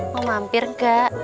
mau mampir nggak